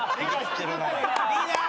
リーダー！